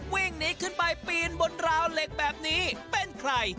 วิ่งหนีขึ้นไปปีนบนราวเหล็กแบบนี้เป็นใคร